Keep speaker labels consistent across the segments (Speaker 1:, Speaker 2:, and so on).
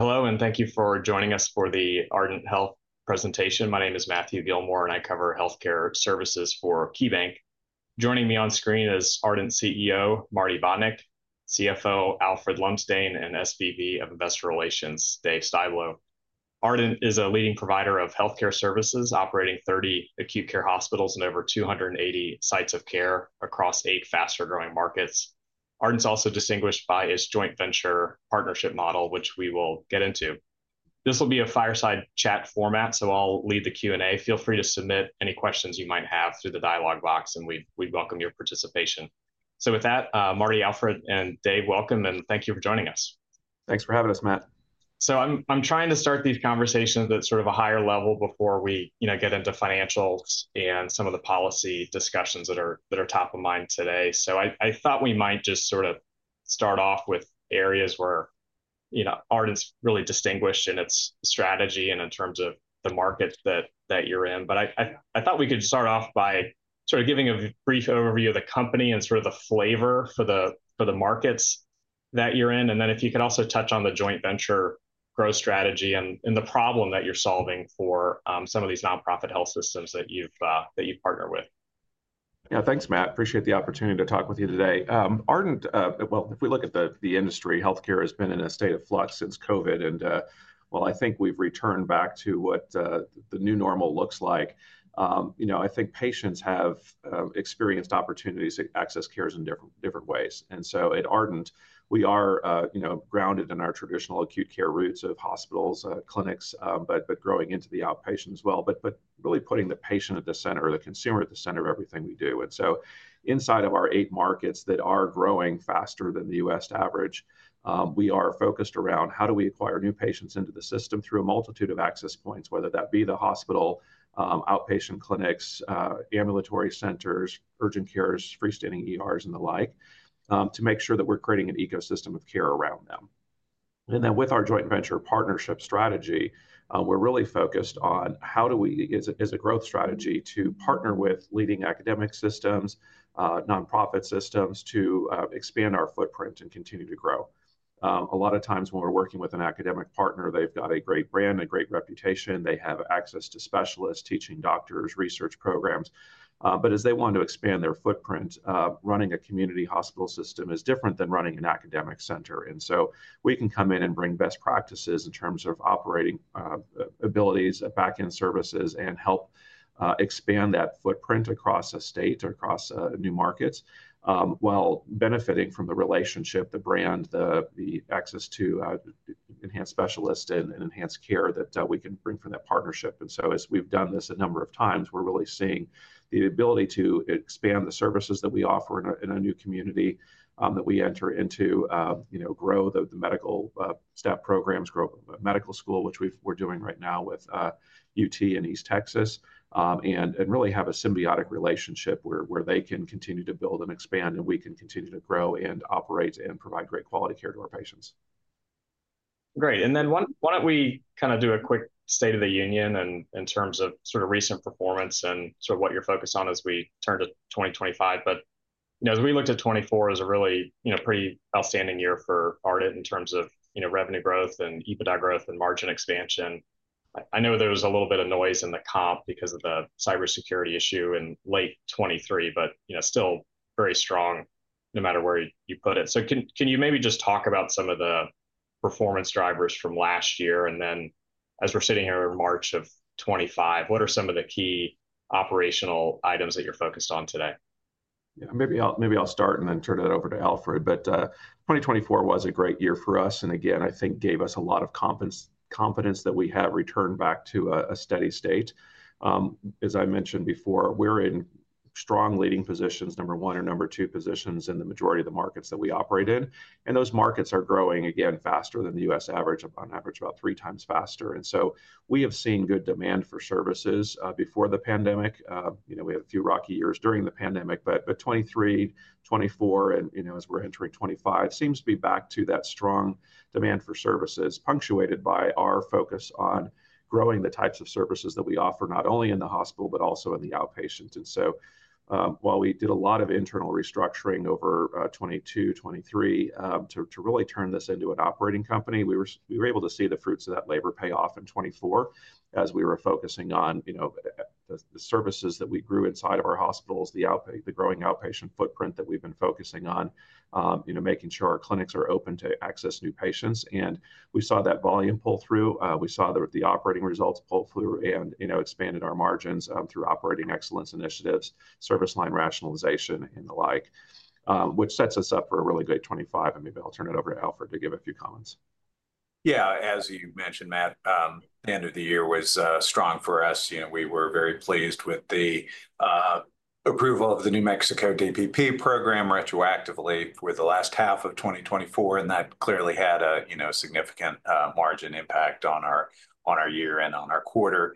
Speaker 1: Hello, and thank you for joining us for the Ardent Health presentation. My name is Matthew Gillmor, and I cover healthcare services for KeyBanc. Joining me on screen is Ardent CEO Marty Bonick, CFO Alfred Lumsdaine, and SVP of Investor Relations Dave Styblo. Ardent is a leading provider of healthcare services, operating 30 acute care hospitals and over 280 sites of care across eight fast-growing markets. Ardent's also distinguished by its joint venture partnership model, which we will get into. This will be a fireside chat format, so I'll lead the Q&A. Feel free to submit any questions you might have through the dialogue box, and we welcome your participation. With that, Marty, Alfred, and Dave, welcome, and thank you for joining us.
Speaker 2: Thanks for having us, Matt.
Speaker 1: I'm trying to start these conversations at sort of a higher level before we get into financials and some of the policy discussions that are top of mind today. I thought we might just sort of start off with areas where Ardent's really distinguished in its strategy and in terms of the market that you're in. I thought we could start off by sort of giving a brief overview of the company and sort of the flavor for the markets that you're in, and then if you could also touch on the joint venture growth strategy and the problem that you're solving for some of these nonprofit health systems that you've partnered with.
Speaker 2: Yeah, thanks, Matt. Appreciate the opportunity to talk with you today. Ardent, if we look at the industry, healthcare has been in a state of flux since COVID, and while I think we've returned back to what the new normal looks like, I think patients have experienced opportunities to access care in different ways. At Ardent, we are grounded in our traditional acute care roots of hospitals, clinics, but growing into the outpatient as well, really putting the patient at the center, the consumer at the center of everything we do. Inside of our eight markets that are growing faster than the U.S. We are focused around how do we acquire new patients into the system through a multitude of access points, whether that be the hospital, outpatient clinics, ambulatory centers, urgent cares, freestanding ERs, and the like, to make sure that we're creating an ecosystem of care around them. With our joint venture partnership strategy, we're really focused on how do we, as a growth strategy, partner with leading academic systems, nonprofit systems to expand our footprint and continue to grow. A lot of times when we're working with an academic partner, they've got a great brand, a great reputation, they have access to specialists, teaching doctors, research programs. As they want to expand their footprint, running a community hospital system is different than running an academic center. We can come in and bring best practices in terms of operating abilities, back-end services, and help expand that footprint across a state, across new markets, while benefiting from the relationship, the brand, the access to enhanced specialists and enhanced care that we can bring from that partnership. As we've done this a number of times, we're really seeing the ability to expand the services that we offer in a new community that we enter into, grow the medical staff programs, grow medical school, which we're doing right now with UT in East Texas, and really have a symbiotic relationship where they can continue to build and expand, and we can continue to grow and operate and provide great quality care to our patients.
Speaker 1: Great. Why do we kind of do a quick State of the Union in terms of sort of recent performance and sort of what you're focused on as we turn to 2025. As we looked at 2024 as a really pretty outstanding year for Ardent in terms of revenue growth and EBITDA growth and margin expansion, I know there was a little bit of noise in the comp because of the cybersecurity issue in late 2023, but still very strong no matter where you put it. Can you maybe just talk about some of the performance drivers from last year? As we're sitting here in March of 2025, what are some of the key operational items that you're focused on today?
Speaker 2: Yeah, maybe I'll start and then turn it over to Alfred. 2024 was a great year for us, and again, I think gave us a lot of confidence that we have returned back to a steady state. As I mentioned before, we're in strong leading positions, number one or number two positions in the majority of the markets that we operate in. Those markets are growing, again, faster than the U.S. average, on average about three times faster. We have seen good demand for services before the pandemic. We had a few rocky years during the pandemic, but 2023, 2024, and as we're entering 2025, seems to be back to that strong demand for services, punctuated by our focus on growing the types of services that we offer not only in the hospital, but also in the outpatient. While we did a lot of internal restructuring over 2022, 2023 to really turn this into an operating company, we were able to see the fruits of that labor pay off in 2024 as we were focusing on the services that we grew inside of our hospitals, the growing outpatient footprint that we have been focusing on, making sure our clinics are open to access new patients. We saw that volume pull through. We saw the operating results pull through and expanded our margins through operating excellence initiatives, service line rationalization, and the like, which sets us up for a really great 2025. Maybe I will turn it over to Alfred to give a few comments.
Speaker 1: Yeah, as you mentioned, Marty, the end of the year was strong for us. We were very pleased with the approval of the New Mexico DPP program retroactively with the last half of 2024, and that clearly had a significant margin impact on our year and on our quarter.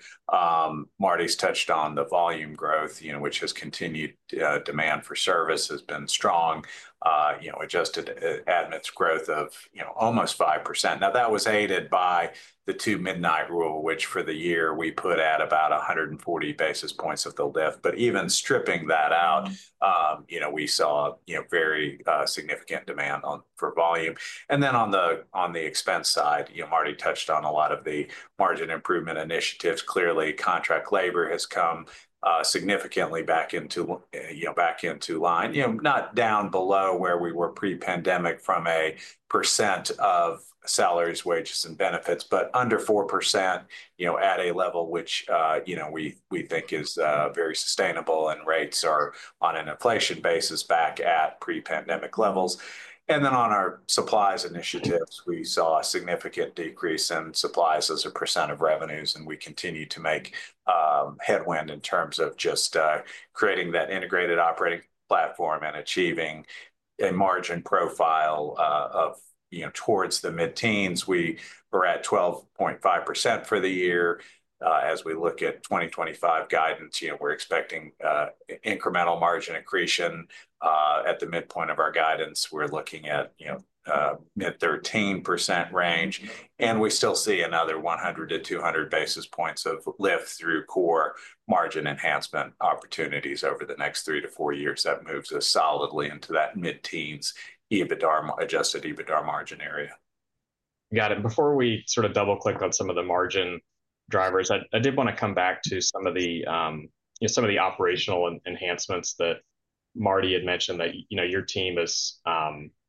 Speaker 1: Marty's touched on the volume growth, which has continued. Demand for service has been strong, adjusted admits growth of almost 5%. That was aided by the Two-Midnight Rule, which for the year we put at about 140 basis points of the lift. Even stripping that out, we saw very significant demand for volume. On the expense side, Marty touched on a lot of the margin improvement initiatives. Clearly, contract labor has come significantly back into line, not down below where we were pre-pandemic from a percent of salaries, wages, and benefits, but under 4% at a level which we think is very sustainable and rates are on an inflation basis back at pre-pandemic levels. On our supplies initiatives, we saw a significant decrease in supplies as a percent of revenues, and we continue to make headwind in terms of just creating that integrated operating platform and achieving a margin profile of towards the mid-teens. We were at 12.5% for the year. As we look at 2025 guidance, we're expecting incremental margin accretion at the midpoint of our guidance. We're looking at mid-13% range, and we still see another 100 to 200 basis points of lift through core margin enhancement opportunities over the next three to four years. That moves us solidly into that mid-teens adjusted EBITDA margin area.
Speaker 3: Got it. Before we sort of double-click on some of the margin drivers, I did want to come back to some of the operational enhancements that Marty had mentioned that your team has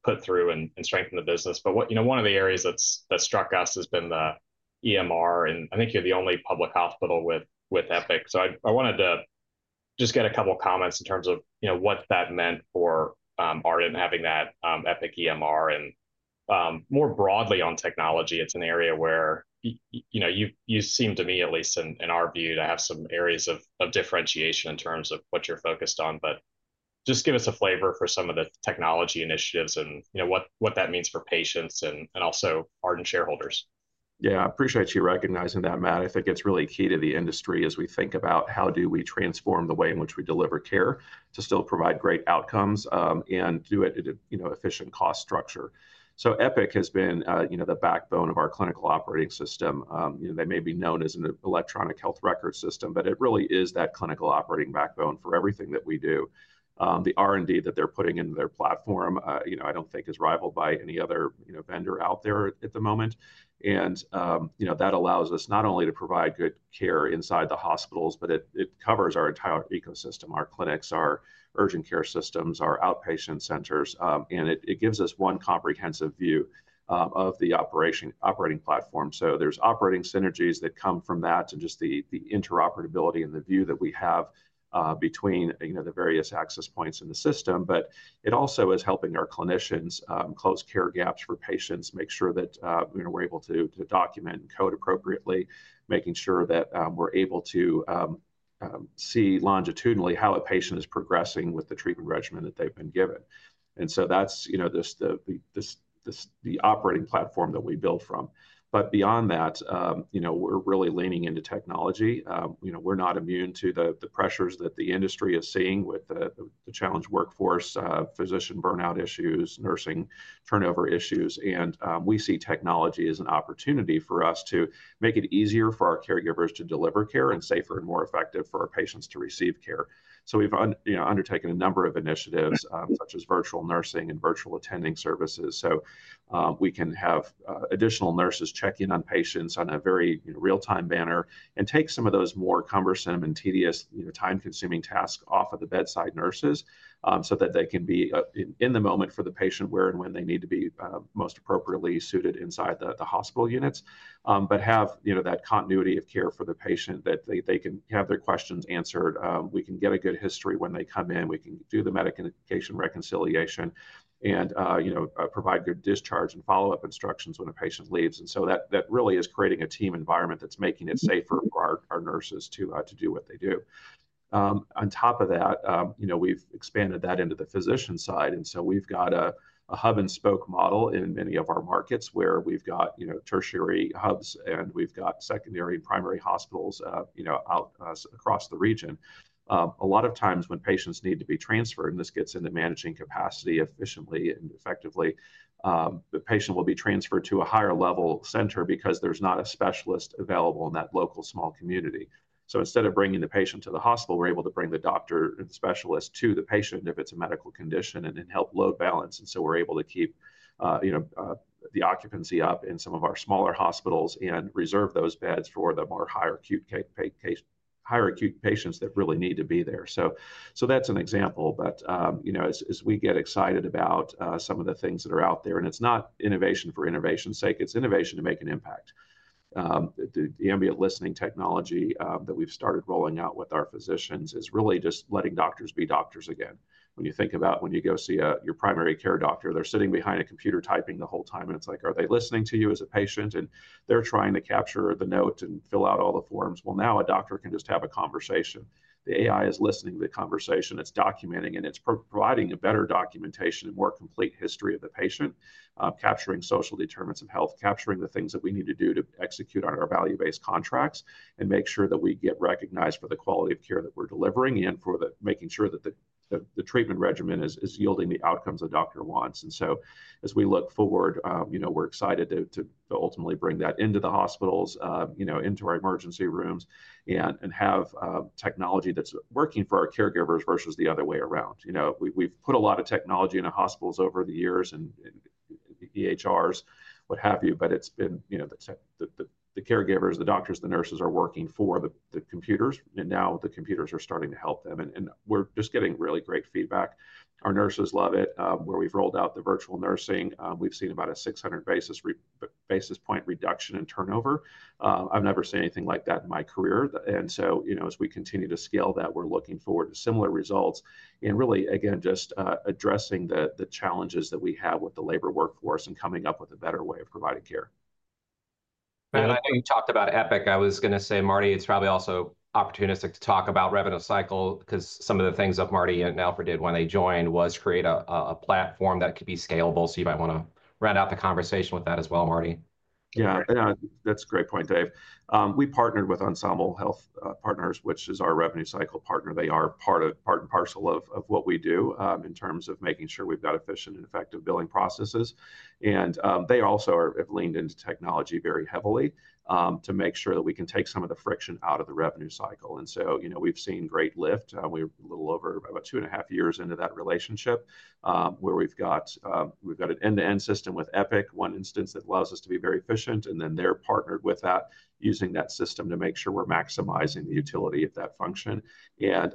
Speaker 3: put through and strengthened the business. One of the areas that struck us has been the EMR, and I think you're the only public hospital with Epic. I wanted to just get a couple of comments in terms of what that meant for Ardent having that Epic EMR and more broadly on technology. It's an area where you seem to me, at least in our view, to have some areas of differentiation in terms of what you're focused on, but just give us a flavor for some of the technology initiatives and what that means for patients and also Ardent shareholders.
Speaker 2: Yeah, I appreciate you recognizing that, Matt. I think it's really key to the industry as we think about how do we transform the way in which we deliver care to still provide great outcomes and do it at an efficient cost structure. Epic has been the backbone of our clinical operating system. They may be known as an electronic health record system, but it really is that clinical operating backbone for everything that we do. The R&D that they're putting into their platform, I don't think is rivaled by any other vendor out there at the moment. That allows us not only to provide good care inside the hospitals, but it covers our entire ecosystem, our clinics, our urgent care systems, our outpatient centers, and it gives us one comprehensive view of the operating platform. There are operating synergies that come from that and just the interoperability and the view that we have between the various access points in the system, but it also is helping our clinicians close care gaps for patients, make sure that we're able to document and code appropriately, making sure that we're able to see longitudinally how a patient is progressing with the treatment regimen that they've been given. That is the operating platform that we build from. Beyond that, we're really leaning into technology. We're not immune to the pressures that the industry is seeing with the challenged workforce, physician burnout issues, nursing turnover issues, and we see technology as an opportunity for us to make it easier for our caregivers to deliver care and safer and more effective for our patients to receive care. We have undertaken a number of initiatives such as virtual nursing and virtual attending services so we can have additional nurses check in on patients on a very real-time manner and take some of those more cumbersome and tedious time-consuming tasks off of the bedside nurses so that they can be in the moment for the patient where and when they need to be most appropriately suited inside the hospital units, but have that continuity of care for the patient that they can have their questions answered. We can get a good history when they come in. We can do the medication reconciliation and provide good discharge and follow-up instructions when a patient leaves. That really is creating a team environment that's making it safer for our nurses to do what they do. On top of that, we've expanded that into the physician side. We have a hub-and-spoke model in many of our markets where we have tertiary hubs and we have secondary and primary hospitals across the region. A lot of times when patients need to be transferred, and this gets into managing capacity efficiently and effectively, the patient will be transferred to a higher-level center because there is not a specialist available in that local small community. Instead of bringing the patient to the hospital, we are able to bring the doctor and specialist to the patient if it is a medical condition and help load balance. We are able to keep the occupancy up in some of our smaller hospitals and reserve those beds for the more higher acute patients that really need to be there. That's an example, but as we get excited about some of the things that are out there, and it's not innovation for innovation's sake, it's innovation to make an impact. The ambient listening technology that we've started rolling out with our physicians is really just letting doctors be doctors again. When you think about when you go see your primary care doctor, they're sitting behind a computer typing the whole time, and it's like, are they listening to you as a patient? And they're trying to capture the note and fill out all the forms. Now a doctor can just have a conversation. The AI is listening to the conversation. It's documenting, and it's providing a better documentation and more complete history of the patient, capturing social determinants of health, capturing the things that we need to do to execute on our value-based contracts, and make sure that we get recognized for the quality of care that we're delivering and for making sure that the treatment regimen is yielding the outcomes a doctor wants. As we look forward, we're excited to ultimately bring that into the hospitals, into our emergency rooms, and have technology that's working for our caregivers versus the other way around. We've put a lot of technology into hospitals over the years and EHRs, what have you, but it's been the caregivers, the doctors, the nurses are working for the computers, and now the computers are starting to help them. We're just getting really great feedback. Our nurses love it. Where we've rolled out the virtual nursing, we've seen about a 600 basis point reduction in turnover. I've never seen anything like that in my career. As we continue to scale that, we're looking forward to similar results and really, again, just addressing the challenges that we have with the labor workforce and coming up with a better way of providing care.
Speaker 4: Matt, I know you talked about Epic. I was going to say, Marty, it's probably also opportunistic to talk about revenue cycle because some of the things that Marty and Alfred did when they joined was create a platform that could be scalable. You might want to round out the conversation with that as well, Marty.
Speaker 2: Yeah, that's a great point, Dave. We partnered with Ensemble Health Partners, which is our revenue cycle partner. They are part and parcel of what we do in terms of making sure we've got efficient and effective billing processes. They also have leaned into technology very heavily to make sure that we can take some of the friction out of the revenue cycle. We've seen great lift. We're a little over about two and a half years into that relationship where we've got an end-to-end system with Epic, one instance that allows us to be very efficient, and then they're partnered with that using that system to make sure we're maximizing the utility of that function and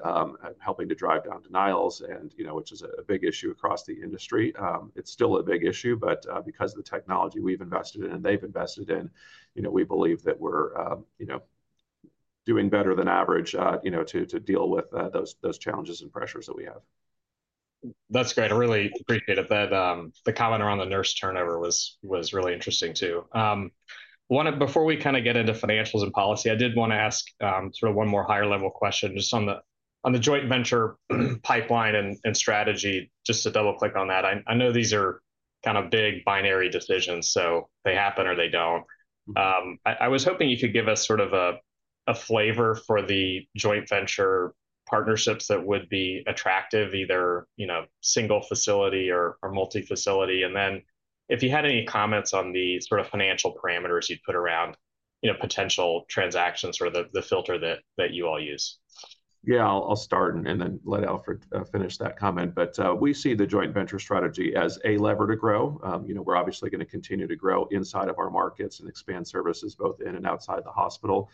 Speaker 2: helping to drive down denials, which is a big issue across the industry. It's still a big issue, but because of the technology we've invested in and they've invested in, we believe that we're doing better than average to deal with those challenges and pressures that we have.
Speaker 1: That's great. I really appreciated that. The comment around the nurse turnover was really interesting too. Before we kind of get into financials and policy, I did want to ask sort of one more higher-level question just on the joint venture pipeline and strategy, just to double-click on that. I know these are kind of big binary decisions, so they happen or they do not. I was hoping you could give us sort of a flavor for the joint venture partnerships that would be attractive, either single facility or multi-facility. And then if you had any comments on the sort of financial parameters you would put around potential transactions or the filter that you all use.
Speaker 2: Yeah, I'll start and then let Alfred finish that comment. We see the joint venture strategy as a lever to grow. We're obviously going to continue to grow inside of our markets and expand services both in and outside the hospital.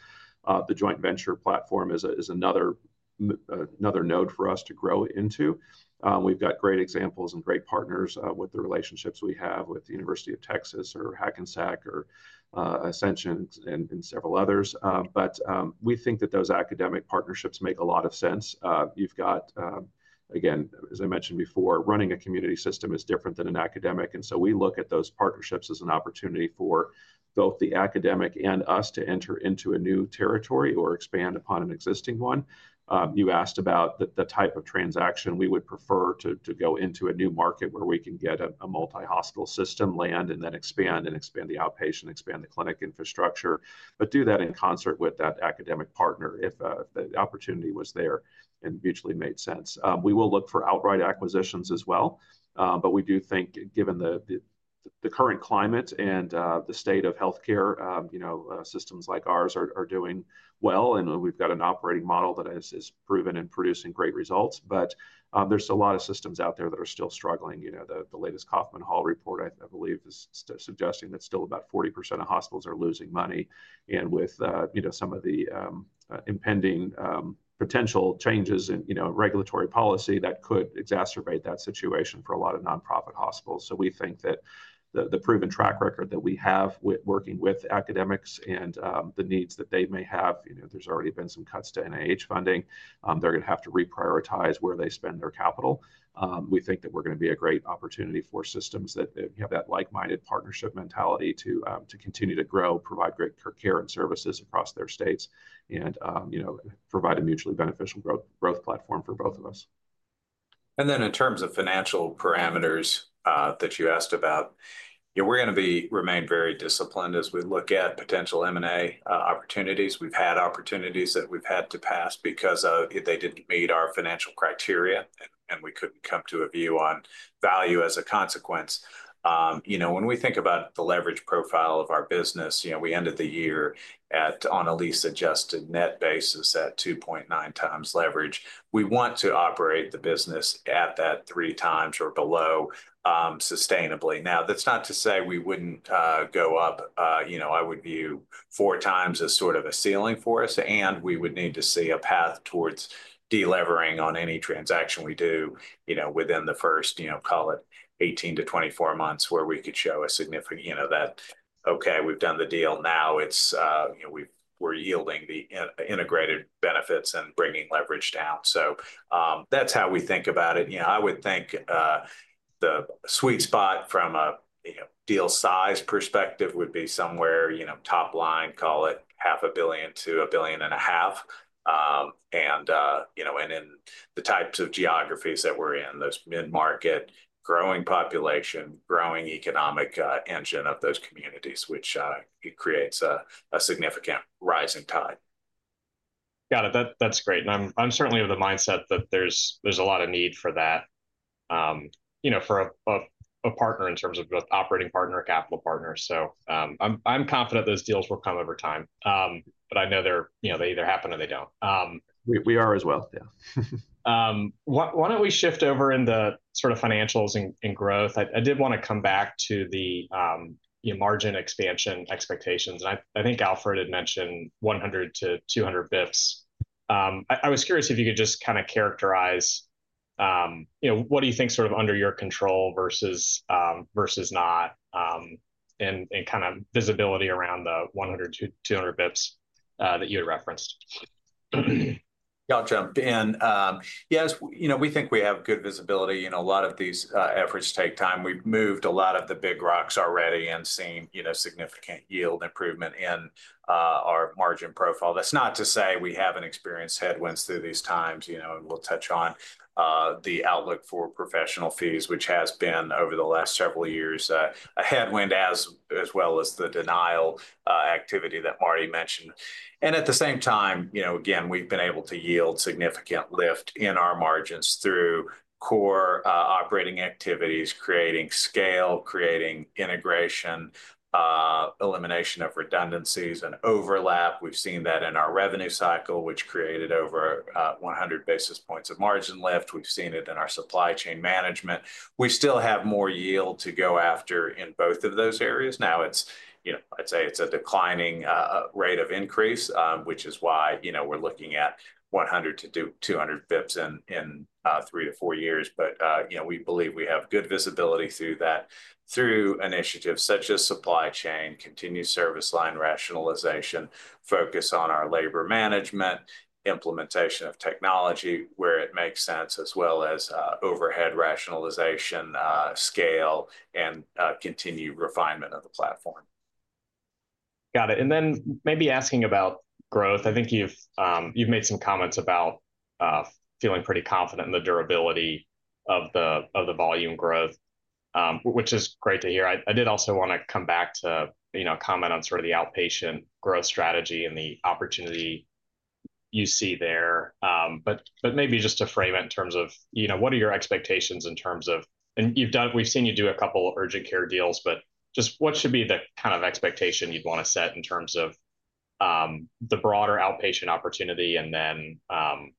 Speaker 2: The joint venture platform is another node for us to grow into. We've got great examples and great partners with the relationships we have with the University of Texas or Hackensack or Ascension and several others. We think that those academic partnerships make a lot of sense. You've got, again, as I mentioned before, running a community system is different than an academic. We look at those partnerships as an opportunity for both the academic and us to enter into a new territory or expand upon an existing one. You asked about the type of transaction. We would prefer to go into a new market where we can get a multi-hospital system, land, and then expand and expand the outpatient, expand the clinic infrastructure, but do that in concert with that academic partner if the opportunity was there and mutually made sense. We will look for outright acquisitions as well, but we do think, given the current climate and the state of healthcare systems like ours are doing well, and we've got an operating model that has proven and produced great results. There are a lot of systems out there that are still struggling. The latest Kaufman Hall report, I believe, is suggesting that still about 40% of hospitals are losing money. With some of the impending potential changes in regulatory policy, that could exacerbate that situation for a lot of nonprofit hospitals. We think that the proven track record that we have working with academics and the needs that they may have, there's already been some cuts to NIH funding. They're going to have to reprioritize where they spend their capital. We think that we're going to be a great opportunity for systems that have that like-minded partnership mentality to continue to grow, provide great care and services across their states, and provide a mutually beneficial growth platform for both of us.
Speaker 1: In terms of financial parameters that you asked about, we're going to remain very disciplined as we look at potential M&A opportunities. We've had opportunities that we've had to pass because they didn't meet our financial criteria, and we couldn't come to a view on value as a consequence. When we think about the leverage profile of our business, we ended the year on a lease-adjusted net basis at 2.9 times leverage. We want to operate the business at that three times or below sustainably. Now, that's not to say we wouldn't go up. I would view four times as sort of a ceiling for us, and we would need to see a path towards delevering on any transaction we do within the first, call it 18 months-24 months where we could show a significant that, okay, we've done the deal. Now we're yielding the integrated benefits and bringing leverage down. That is how we think about it. I would think the sweet spot from a deal size perspective would be somewhere top line, call it $500 million to $1.5 billion. In the types of geographies that we're in, there is mid-market, growing population, growing economic engine of those communities, which creates a significant rising tide.
Speaker 2: Got it. That's great. I'm certainly of the mindset that there's a lot of need for that for a partner in terms of both operating partner and capital partner. I'm confident those deals will come over time, but I know they either happen or they don't.
Speaker 1: We are as well. Yeah. Why don't we shift over into sort of financials and growth? I did want to come back to the margin expansion expectations. I think Alfred had mentioned 100 to 200 basis points. I was curious if you could just kind of characterize what do you think sort of under your control versus not and kind of visibility around the 100 to 200 basis points that you had referenced.
Speaker 3: Gotcha. Yes, we think we have good visibility. A lot of these efforts take time. We've moved a lot of the big rocks already and seen significant yield improvement in our margin profile. That's not to say we haven't experienced headwinds through these times. We'll touch on the outlook for professional fees, which has been over the last several years, a headwind as well as the denial activity that Marty mentioned. At the same time, again, we've been able to yield significant lift in our margins through core operating activities, creating scale, creating integration, elimination of redundancies and overlap. We've seen that in our revenue cycle, which created over 100 basis points of margin lift. We've seen it in our supply chain management. We still have more yield to go after in both of those areas. Now, I'd say it's a declining rate of increase, which is why we're looking at 100-200 basis points in three to four years. We believe we have good visibility through that, through initiatives such as supply chain, continued service line rationalization, focus on our labor management, implementation of technology where it makes sense, as well as overhead rationalization, scale, and continued refinement of the platform.
Speaker 1: Got it. Maybe asking about growth. I think you've made some comments about feeling pretty confident in the durability of the volume growth, which is great to hear. I did also want to come back to comment on sort of the outpatient growth strategy and the opportunity you see there. Maybe just to frame it in terms of what are your expectations in terms of, and we've seen you do a couple of urgent care deals, just what should be the kind of expectation you'd want to set in terms of the broader outpatient opportunity and then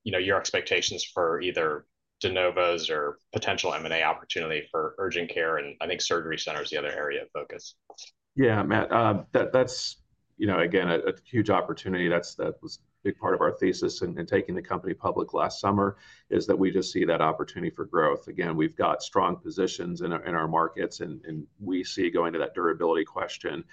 Speaker 1: your expectations for either de novos or potential M&A opportunity for urgent care and I think surgery center is the other area of focus.
Speaker 2: Yeah, Matt, that's again a huge opportunity. That was a big part of our thesis in taking the company public last summer is that we just see that opportunity for growth. Again, we've got strong positions in our markets, and we see going to that durability question.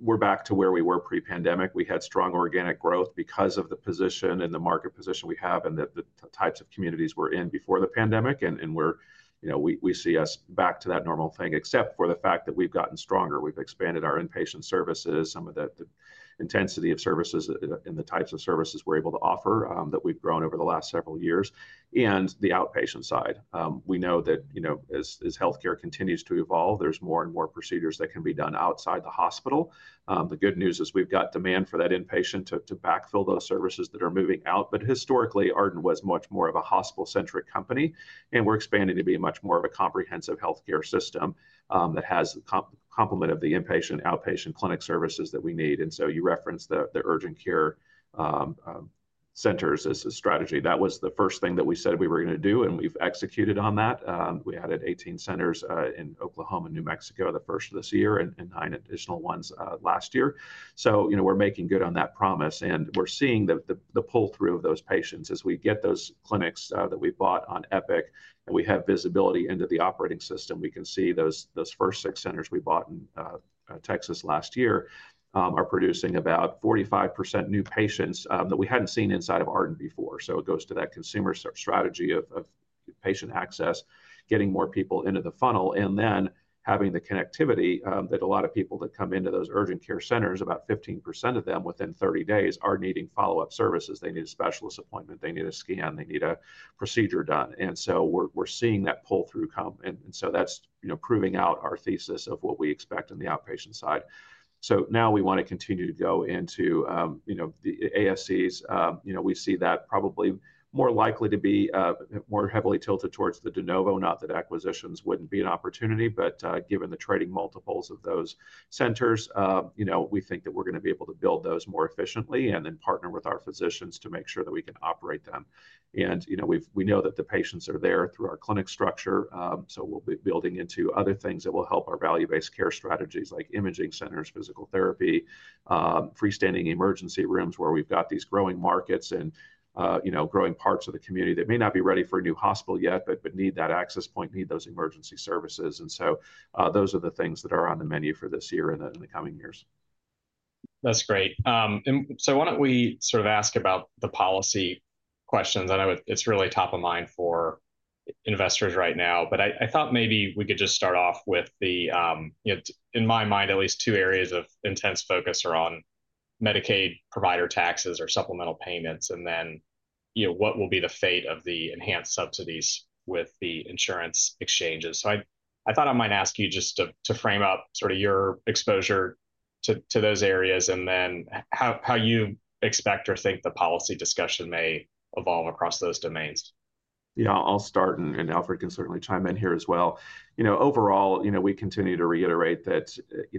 Speaker 2: We're back to where we were pre-pandemic. We had strong organic growth because of the position and the market position we have and the types of communities we're in before the pandemic. We see us back to that normal thing, except for the fact that we've gotten stronger. We've expanded our inpatient services, some of the intensity of services and the types of services we're able to offer that we've grown over the last several years. On the outpatient side, we know that as healthcare continues to evolve, there's more and more procedures that can be done outside the hospital. The good news is we've got demand for that inpatient to backfill those services that are moving out. Historically, Ardent was much more of a hospital-centric company, and we're expanding to be much more of a comprehensive healthcare system that has a complement of the inpatient and outpatient clinic services that we need. You referenced the urgent care centers as a strategy. That was the first thing that we said we were going to do, and we've executed on that. We added 18 centers in Oklahoma and New Mexico the first of this year and nine additional ones last year. We're making good on that promise, and we're seeing the pull-through of those patients as we get those clinics that we bought on Epic, and we have visibility into the operating system. We can see those first six centers we bought in Texas last year are producing about 45% new patients that we had not seen inside of Ardent before. It goes to that consumer strategy of patient access, getting more people into the funnel, and then having the connectivity that a lot of people that come into those urgent care centers, about 15% of them within 30 days are needing follow-up services. They need a specialist appointment. They need a scan. They need a procedure done. We are seeing that pull-through come. That is proving out our thesis of what we expect on the outpatient side. Now we want to continue to go into the ASCs. We see that probably more likely to be more heavily tilted towards the de novo, not that acquisitions would not be an opportunity, but given the trading multiples of those centers, we think that we are going to be able to build those more efficiently and then partner with our physicians to make sure that we can operate them. We know that the patients are there through our clinic structure. We will be building into other things that will help our value-based care strategies like imaging centers, physical therapy, freestanding emergency rooms where we have these growing markets and growing parts of the community that may not be ready for a new hospital yet, but need that access point, need those emergency services. Those are the things that are on the menu for this year and in the coming years.
Speaker 1: That's great. Why don't we sort of ask about the policy questions? I know it's really top of mind for investors right now, but I thought maybe we could just start off with the, in my mind, at least two areas of intense focus are on Medicaid provider taxes or supplemental payments, and then what will be the fate of the enhanced subsidies with the insurance exchanges? I thought I might ask you just to frame up sort of your exposure to those areas and then how you expect or think the policy discussion may evolve across those domains.
Speaker 2: Yeah, I'll start, and Alfred can certainly chime in here as well. Overall, we continue to reiterate that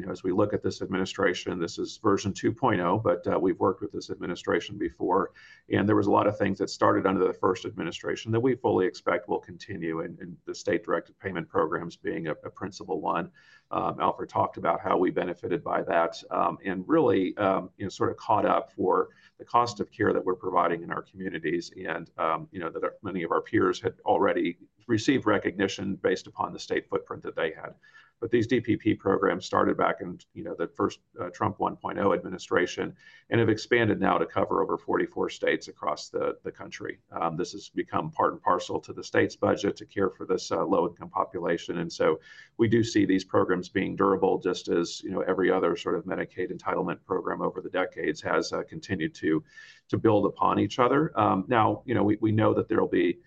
Speaker 2: as we look at this administration, this is version 2.0, but we've worked with this administration before. There was a lot of things that started under the first administration that we fully expect will continue in the state-directed payment programs being a principal one. Alfred talked about how we benefited by that and really sort of caught up for the cost of care that we're providing in our communities and that many of our peers had already received recognition based upon the state footprint that they had. These DPP programs started back in the first Trump 1.0 administration and have expanded now to cover over 44 states across the country. This has become part and parcel to the state's budget to care for this low-income population. We do see these programs being durable just as every other sort of Medicaid entitlement program over the decades has continued to build upon each other. Now, we know that there will be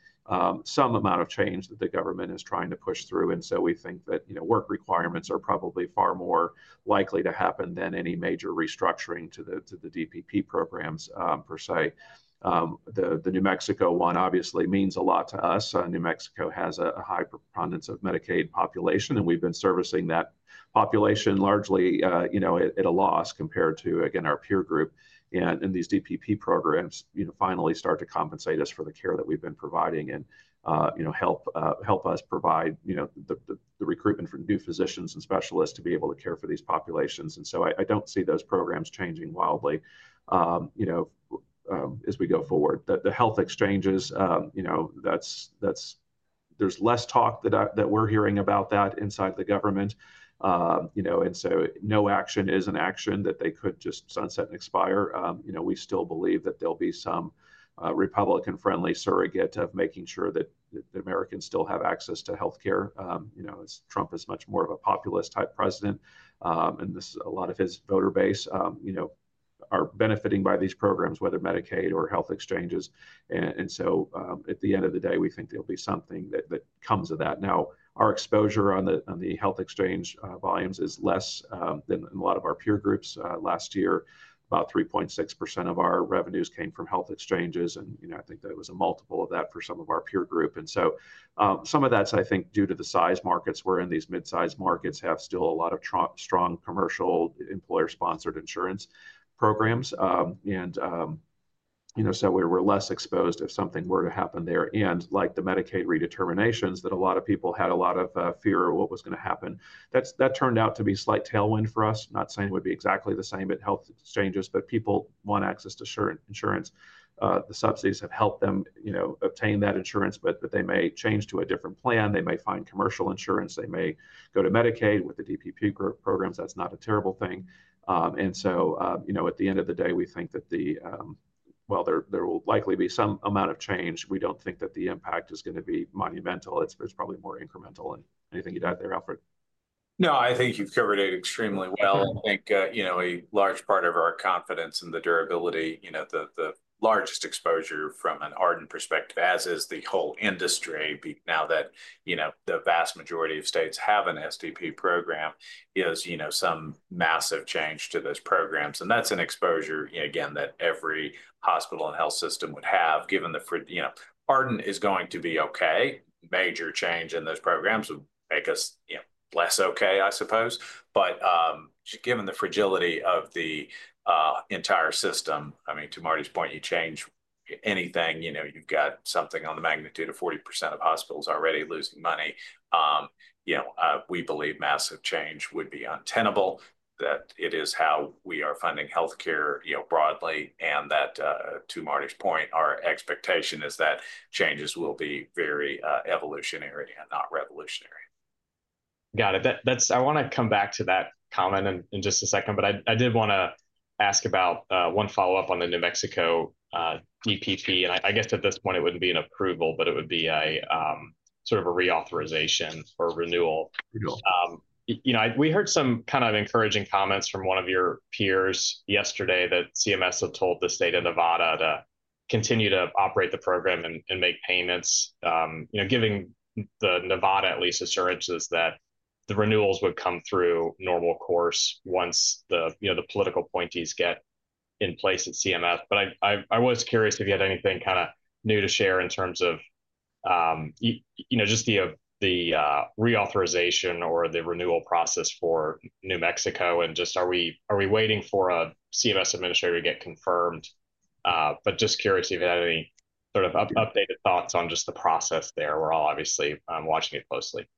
Speaker 2: some amount of change that the government is trying to push through. We think that work requirements are probably far more likely to happen than any major restructuring to the DPP programs per se. The New Mexico one obviously means a lot to us. New Mexico has a high preponderance of Medicaid population, and we've been servicing that population largely at a loss compared to, again, our peer group. These DPP programs finally start to compensate us for the care that we've been providing and help us provide the recruitment for new physicians and specialists to be able to care for these populations. I do not see those programs changing wildly as we go forward. The health exchanges, there is less talk that we are hearing about that inside the government. No action is an action that they could just sunset and expire. We still believe that there will be some Republican-friendly surrogate of making sure that Americans still have access to healthcare. Trump is much more of a populist-type president, and a lot of his voter base are benefiting by these programs, whether Medicaid or health exchanges. At the end of the day, we think there will be something that comes of that. Now, our exposure on the health exchange volumes is less than a lot of our peer groups. Last year, about 3.6% of our revenues came from health exchanges, and I think that it was a multiple of that for some of our peer group. Some of that is, I think, due to the size markets we're in. These mid-sized markets have still a lot of strong commercial employer-sponsored insurance programs. We're less exposed if something were to happen there. Like the Medicaid redeterminations that a lot of people had a lot of fear of what was going to happen, that turned out to be slight tailwind for us. Not saying it would be exactly the same at health exchanges, but people want access to insurance. The subsidies have helped them obtain that insurance, but they may change to a different plan. They may find commercial insurance. They may go to Medicaid with the DPP programs. That's not a terrible thing. At the end of the day, we think that, well, there will likely be some amount of change. We don't think that the impact is going to be monumental. It's probably more incremental. Anything you'd add there, Alfred?
Speaker 3: No, I think you've covered it extremely well. I think a large part of our confidence in the durability, the largest exposure from an Ardent perspective, as is the whole industry, now that the vast majority of states have an SDP program, is some massive change to those programs. That is an exposure, again, that every hospital and health system would have. Ardent is going to be okay. Major change in those programs would make us less okay, I suppose. Given the fragility of the entire system, I mean, to Marty's point, you change anything, you've got something on the magnitude of 40% of hospitals already losing money. We believe massive change would be untenable, that it is how we are funding healthcare broadly, and that to Marty's point, our expectation is that changes will be very evolutionary and not revolutionary.
Speaker 1: Got it. I want to come back to that comment in just a second, but I did want to ask about one follow-up on the New Mexico DPP. I guess at this point, it would not be an approval, but it would be sort of a reauthorization or renewal. We heard some kind of encouraging comments from one of your peers yesterday that CMS had told the state of Nevada to continue to operate the program and make payments, giving Nevada at least assurances that the renewals would come through normal course once the political appointees get in place at CMS. I was curious if you had anything kind of new to share in terms of just the reauthorization or the renewal process for New Mexico and just are we waiting for a CMS administrator to get confirmed? Just curious if you had any sort of updated thoughts on just the process there. We're all obviously watching it closely.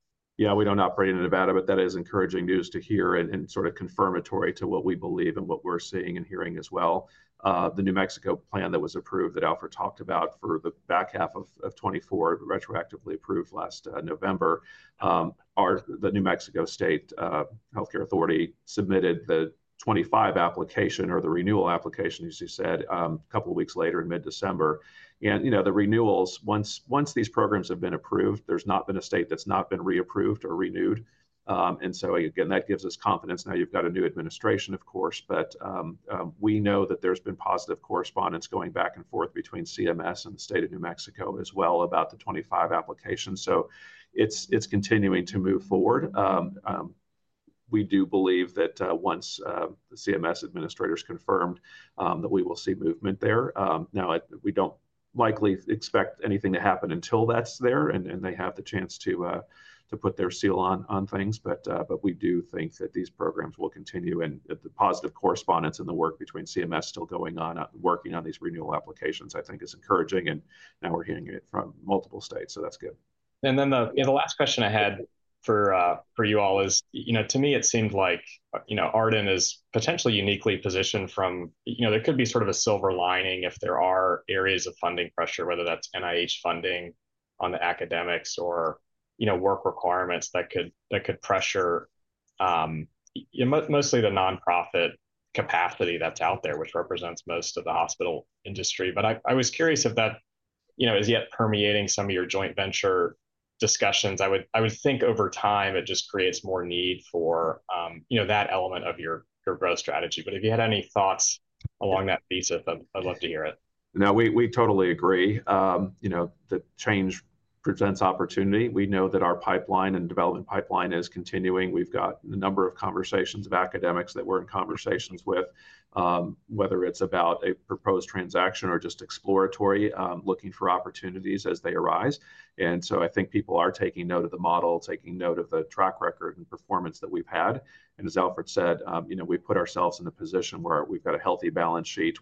Speaker 2: Yeah, we do not operate in Nevada, but that is encouraging news to hear and sort of confirmatory to what we believe and what we are seeing and hearing as well. The New Mexico plan that was approved that Alfred talked about for the back half of 2024, retroactively approved last November, the New Mexico State Health Care Authority submitted the 2025 application or the renewal application, as you said, a couple of weeks later in mid-December. The renewals, once these programs have been approved, there has not been a state that has not been reapproved or renewed. That gives us confidence. Now you have a new administration, of course, but we know that there has been positive correspondence going back and forth between CMS and the state of New Mexico as well about the 2025 application. It is continuing to move forward. We do believe that once the CMS administrators confirmed that we will see movement there. Now, we do not likely expect anything to happen until that is there and they have the chance to put their seal on things, but we do think that these programs will continue. The positive correspondence and the work between CMS still going on, working on these renewal applications, I think is encouraging. Now we are hearing it from multiple states, so that is good.
Speaker 1: The last question I had for you all is, to me, it seemed like Ardent is potentially uniquely positioned from there could be sort of a silver lining if there are areas of funding pressure, whether that's NIH funding on the academics or work requirements that could pressure mostly the nonprofit capacity that's out there, which represents most of the hospital industry. I was curious if that is yet permeating some of your joint venture discussions. I would think over time it just creates more need for that element of your growth strategy. If you had any thoughts along that thesis, I'd love to hear it.
Speaker 2: No, we totally agree. The change presents opportunity. We know that our pipeline and development pipeline is continuing. We've got a number of conversations of academics that we're in conversations with, whether it's about a proposed transaction or just exploratory, looking for opportunities as they arise. I think people are taking note of the model, taking note of the track record and performance that we've had. As Alfred said, we put ourselves in a position where we've got a healthy balance sheet.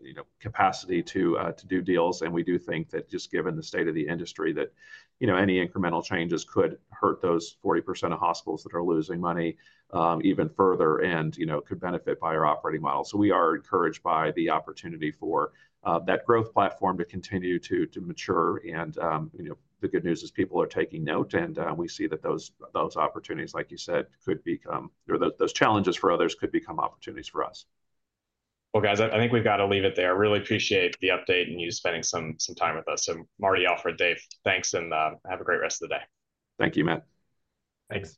Speaker 2: We've got capacity to do deals. We do think that just given the state of the industry, that any incremental changes could hurt those 40% of hospitals that are losing money even further and could benefit by our operating model. We are encouraged by the opportunity for that growth platform to continue to mature. The good news is people are taking note, and we see that those opportunities, like you said, could become those challenges for others could become opportunities for us.
Speaker 1: I think we've got to leave it there. I really appreciate the update and you spending some time with us. Marty, Alfred, Dave, thanks, and have a great rest of the day.
Speaker 2: Thank you, Matt.
Speaker 1: Thanks.